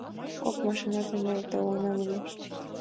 Кок машина, дене толына, манеш.